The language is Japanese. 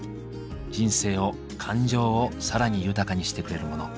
人生を感情を更に豊かにしてくれるモノ。